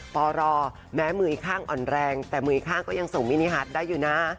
พอรอแม้มืออีกข้างอ่อนแรงแต่มืออีกข้างก็ยังส่งมินิฮัทได้อยู่นะ